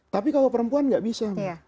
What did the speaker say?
tapi kalau perempuan nggak bisa